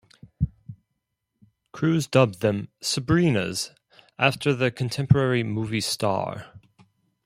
Crews dubbed them "Sabrinas" after the contemporary movie star.